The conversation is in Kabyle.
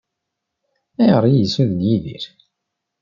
Ayɣer i yi-ssuden Yidir?